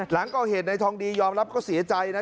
หลังก่อเหตุในทองดียอมรับก็เสียใจนะ